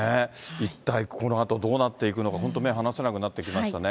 一体このあと、どうなっていくのか、本当、目が離せなくなってきましたね。